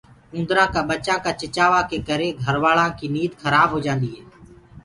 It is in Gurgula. اُوندرآ ڪآ ٻڇآنٚ ڪآ چِڇآوآ ڪي ڪرآ گھروآلآ ڪي نيند کرآ هوجآندي هي۔